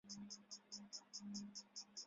鞭毛是用来移动生物体的。